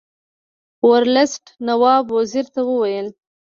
ورلسټ نواب وزیر ته وویل.